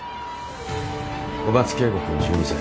小松圭吾君１２歳。